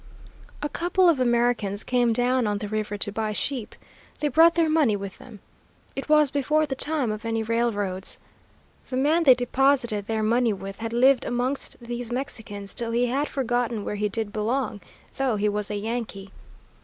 "A couple of Americans came down on the river to buy sheep. They brought their money with them. It was before the time of any railroads. The man they deposited their money with had lived amongst these Mexicans till he had forgotten where he did belong, though he was a Yankee.